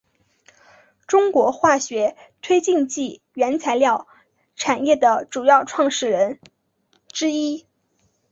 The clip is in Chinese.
中国化学推进剂原材料产业的主要创始人之一。